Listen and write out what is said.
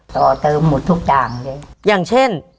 ต่อเติมหมดทุกอย่างเลยอย่างเช่น